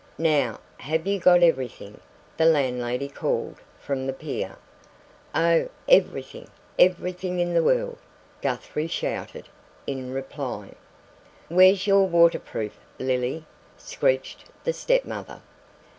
"Now, have you got everything?" the landlady called from the pier. "Oh, everything everything in the world!" Guthrie shouted, in reply. "Where's your waterproof, Lily?" screeched the step mother.